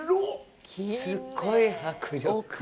すっごい迫力。